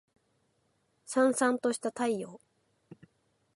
燦燦とした太陽